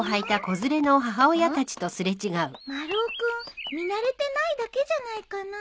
丸尾君見慣れてないだけじゃないかな。